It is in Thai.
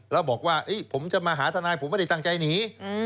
แล้วบอกว่าผมจะมาหาทนายผมไม่ได้ตั้งใจหนี